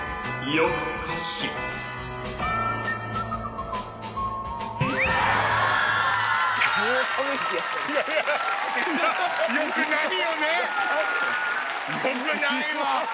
よくないわ！